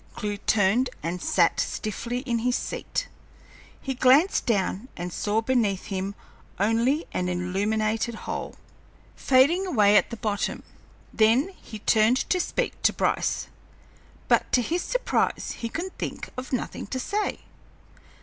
Clewe turned and sat stiffly in his seat. He glanced down and saw beneath him only an illuminated hole, fading away at the bottom. Then he turned to speak to Bryce, but to his surprise he could think of nothing to say.